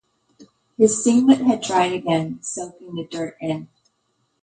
His singlet had dried again, soaking the dirt in.